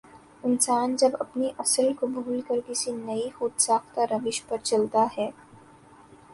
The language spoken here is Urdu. انسان جب اپنی اصل کو بھول کر کسی نئی خو د ساختہ روش پرچلتا ہے